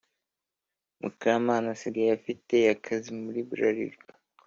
Mukamana asigaye afite akazi mur bralirwa